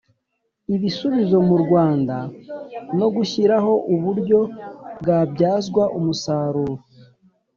Ibisubizo Mu Rwanda No Gushyiraho Uburyo Bwabyazwa Umusaruro